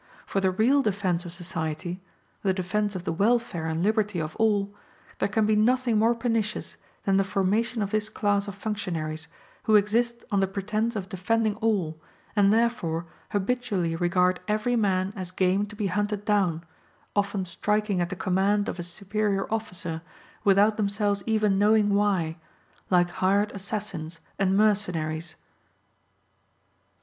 For the real defence of society, the defence of the welfare and liberty of all, there can be nothing more pernicious than the formation of this class of functionaries, who exist on the pretence of defending all, and therefore habitually regard every man as game to be hunted down, often striking at the command of a superior officer, without themselves even knowing why, like hired assassins and mercenaries.